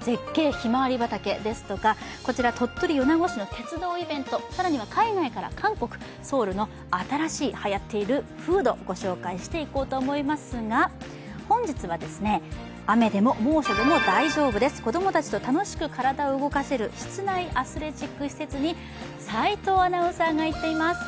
絶景ひまわり畑ですとか鳥取・米子市の鉄道イベント、更には海外から韓国ソウルの新しいはやっているフードご紹介していこうと思いますが本日は、雨でも猛暑でも大丈夫です子供たちと楽しく体を動かせる室内アスレチック施設に齋藤アナウンサーが行っています。